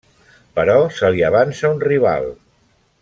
Però se li avança un rival.